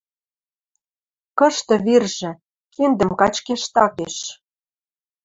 Кышты виржӹ? Киндӹм качкеш такеш